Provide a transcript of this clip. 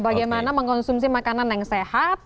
bagaimana mengkonsumsi makanan yang sehat